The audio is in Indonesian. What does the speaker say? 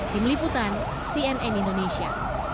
tim liputan cnn indonesia